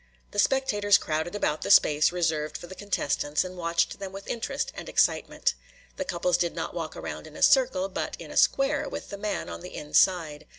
The spectators crowded about the space reserved for the contestants and watched them with interest and excitement. The couples did not walk round in a circle, but in a square, with the men on the inside.